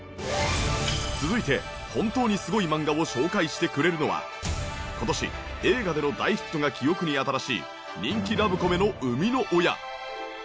続いて本当にすごい漫画を紹介してくれるのは今年映画での大ヒットが記憶に新しい人気ラブコメの生みの親！